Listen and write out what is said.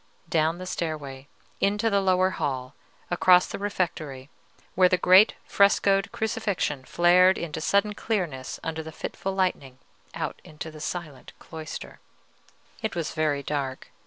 Down the stairway into the lower hall, across the refectory, where the great frescoed Crucifixion flared into sudden clearness under the fitful lightning, out into the silent cloister. It was very dark.